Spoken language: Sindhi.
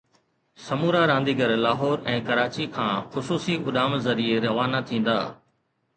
سمورا رانديگر لاهور ۽ ڪراچي کان خصوصي اڏام ذريعي روانا ٿيندا